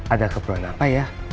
ada keberan apa ya